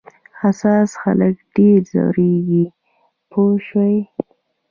حساس خلک ډېر ځورېږي پوه شوې!.